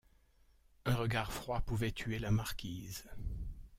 Un regard froid pouvait tuer la marquise.